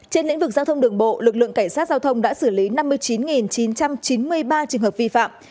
trên lĩnh vực giao thông đường bộ lực lượng cảnh sát giao thông đã xử lý năm mươi chín chín trăm chín mươi ba trường hợp vi phạm